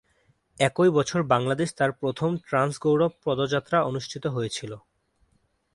একই বছর বাংলাদেশ তার প্রথম ট্রান্স গৌরব পদযাত্রা অনুষ্ঠিত হয়েছিল।